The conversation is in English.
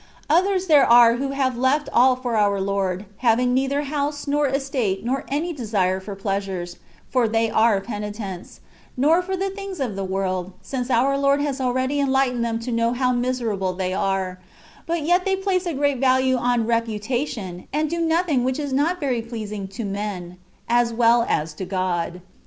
Others there are who have left all for our Lord, having neither house, nor estate, nor any desire for pleasures (for they are penitents), nor for the things of the world, since our Lord has already enlightened them to know how miserable they are ; but yet they place a great value on reputation, and do nothing which is not very pleasing to men, as well as to God.